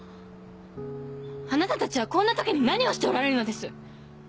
あなたたちはこんな時に何をしておられるのです